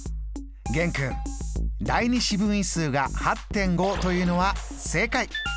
玄くん第２四分位数が８．５というのは正解！